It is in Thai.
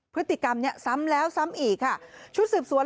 พฤติกรรมเนี้ยซ้ำแล้วซ้ำอีกค่ะชุดสืบสวน